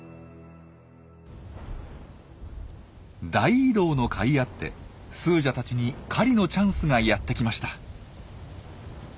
大移動のかいあってスージャたちに狩りのチャンスがやって来ました。